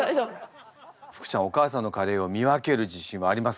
福ちゃんお母さんのカレーを見分ける自信はありますか？